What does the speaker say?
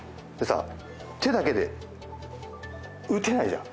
手だけで打てないじゃん。